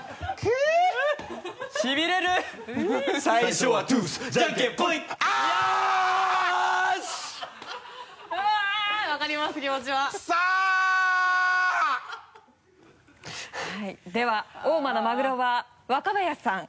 クソッ！では大間のマグロは若林さん。